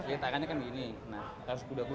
yang di papua